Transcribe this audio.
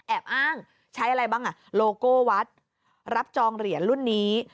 อ้างใช้อะไรบ้างอ่ะโลโก้วัดรับจองเหรียญรุ่นนี้